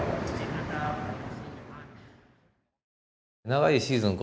長いシーズン